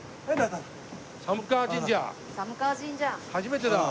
初めてだ。